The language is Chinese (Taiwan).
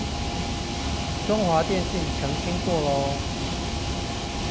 中華電信澄清過囉